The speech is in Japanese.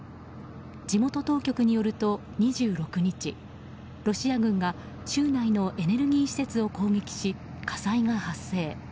地元当局によると２６日ロシア軍が州内のエネルギー施設を攻撃し火災が発生。